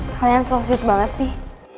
kalian so sweet banget sih